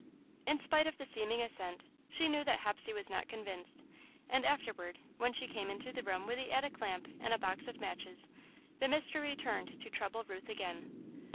In spite of the seeming assent, she knew that Hepsey was not convinced; and afterward, when she came into the room with the attic lamp and a box of matches, the mystery returned to trouble Ruth again.